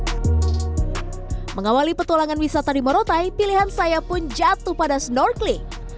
setelah mencari petualangan wisata di moratai pilihan saya pun jatuh pada snorkeling